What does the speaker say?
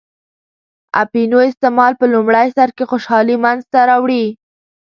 اپینو استعمال په لومړی سر کې خوشحالي منځته راوړي.